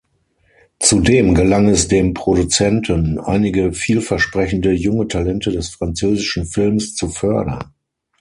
Zudem gelang es dem Produzenten, einige vielversprechende junge Talente des französischen Films zu fördern.